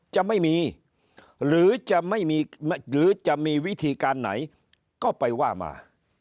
จะไม่มีหรือจะมีวิธีการไหนก็ไปว่ามา